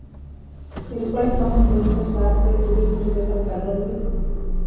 އިރުކޮޅެއްފަހުން ދުންތައް ސާފުވެ ކުރިން ހުރި ގޮތަށް ބަދަލުވި